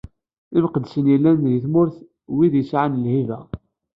Imqeddsen yellan di tmurt, wid yesɛan lhiba.